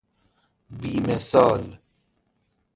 بیمثال